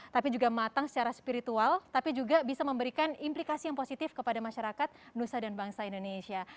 tapi juga matang secara spiritual tapi juga bisa memberikan implikasi yang positif kepada masyarakat nusa dan bangsa indonesia